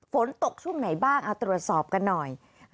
ฝนตกช่วงไหนบ้างเอาตรวจสอบกันหน่อย